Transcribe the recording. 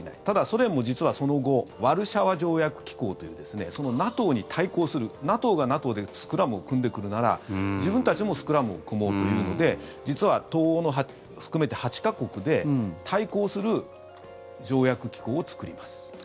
ただ、ソ連も実はその後ワルシャワ条約機構というＮＡＴＯに対抗するＮＡＴＯがＮＡＴＯでスクラムを組んでくるなら自分たちもスクラムを組もうというので実は、東欧を含めて８か国で対抗する条約機構を作ります。